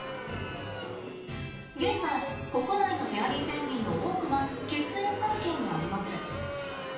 現在国内のフェアリーペンギンの多くが血縁関係にあります。